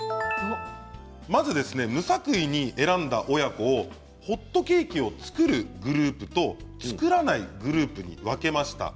無作為に選んだ親子を親子でホットケーキを作るグループと作らないグループに分けました。